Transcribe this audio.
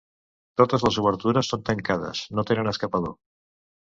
Totes les obertures són tancades: no tenen escapador.